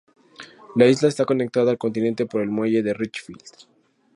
La isla está conectada al continente por el muelle de Richfield.